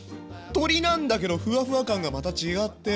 鶏なんだけどふわふわ感がまた違って。